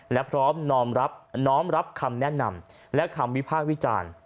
และพร้อมน้อมรับน้อมรับคำแนะนำและคำวิพากษ์วิจารณ์